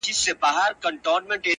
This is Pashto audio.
تا ته چي درځمه له اغیار سره مي نه لګي.!